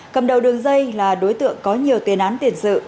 cầm đầu đường dây là đối tượng có nhiều tên án tiền dự